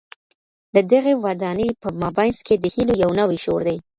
د دغي ودانۍ په مابينځ کي د هیلو یو نوی شور دی.